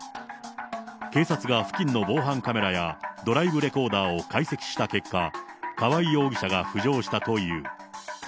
警察が付近の防犯カメラやドライブレコーダーを解析した結果、川合容疑者が浮上したという。